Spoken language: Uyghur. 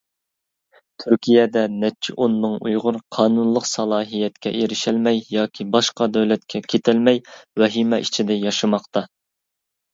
تۈركىيەدە نەچچە ئون مىڭ ئۇيغۇر قانۇنلۇق سالاھىيەتكە ئېرىشەلمەي ياكى باشقا دۆلەتكە كېتەلمەي ۋەھىمە ئىچىدە ياشىماقتا.